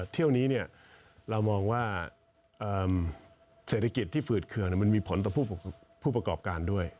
เที่ยวนี้เรามองว่าเศรษฐกิจที่ฝืดเคืองมันมีผลต่อผู้ประกอบการด้วย